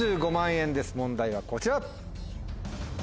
問題はこちら！